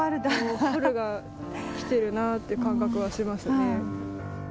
春が来てるなっていう感覚はしますね。